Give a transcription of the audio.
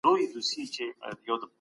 زه خپل شیان ساتم.